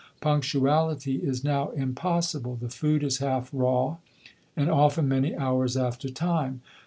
Punctuality is now impossible; the food is half raw, and often many hours after time.